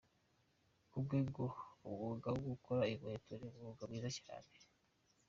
Ku bwe ngo umwuga wo gukora inkweto ni umwuga mwiza cyane.